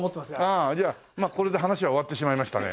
ああじゃあこれで話は終わってしまいましたね。